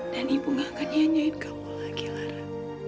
dan ibu gak akan nyanyiin kamu lagi lara